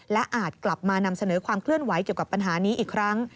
และอาจกลับมานำเสนอความเคลื่อนไหวเกี่ยวกับปัญหานี้อีกครั้ง